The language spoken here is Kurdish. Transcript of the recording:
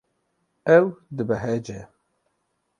Ew dibehece.